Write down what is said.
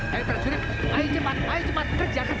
hey prajurit ayo cepat ayo cepat kerja kerja